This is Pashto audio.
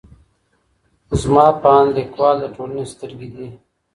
زما په اند ليکوال د ټولني سترګې دي.